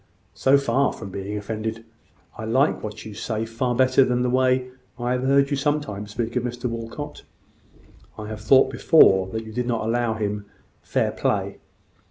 "So far from being offended, I like what you now say far better than the way I have heard you sometimes speak of Mr Walcot. I have thought before that you did not allow him fair play.